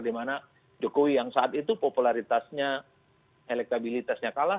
dimana jokowi yang saat itu popularitasnya elektabilitasnya kalah